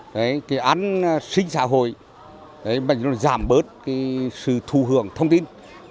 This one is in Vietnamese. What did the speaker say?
cái an sinh xã hội giảm bớt sự thu hưởng thông tin